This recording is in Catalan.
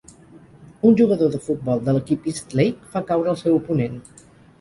Un jugador de futbol de l'equip East Lake fa caure el seu oponent.